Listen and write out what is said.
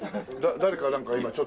誰かなんか今ちょっと。